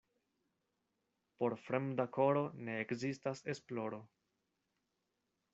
Por fremda koro ne ekzistas esploro.